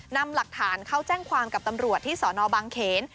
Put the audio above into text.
นำหลักฐานเข้าแจ้งความกับตำรวจที่สนบางเขน